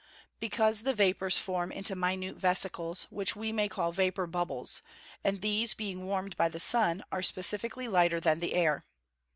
_ Because the vapours form into minute vesicles, which we may call vapour bubbles, and these, being warmed by the sun, are specifically lighter than the air.